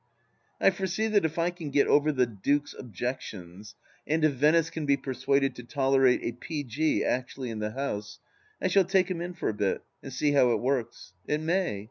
I foresee that if I can get over the Duke^s objections, and if Venice can be persuaded to tolerate a P.G. actually In the house, I shall take him in for a bit and see how it works. It may.